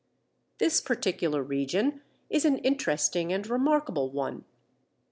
This particular region is an interesting and remarkable one.